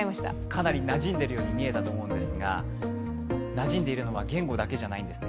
かなりなじんでいるように見えたと思うんですが、なじんでいるのは言語だけじゃないんです。